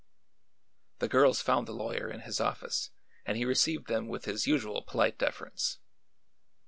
The girls found the lawyer in his office and he received them with his usual polite deference.